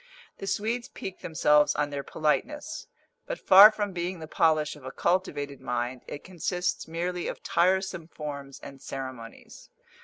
The Swedes pique themselves on their politeness; but far from being the polish of a cultivated mind, it consists merely of tiresome forms and ceremonies.